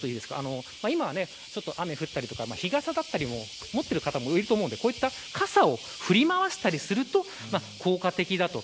今はちょっと雨が降ったり日傘だったりも持っている方もいると思うのでこういった傘を振り回したりすると効果的だと。